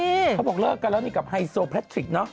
เขาบอกเลิกกันแล้วนี่กับไฮโซแพทริกเนอะ